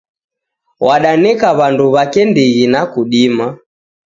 Wadaneka wandu wake ndighi na kudima.